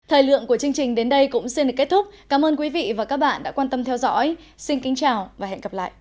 hãy đăng ký kênh để ủng hộ kênh của mình nhé